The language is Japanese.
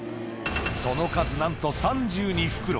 その数なんと３２袋。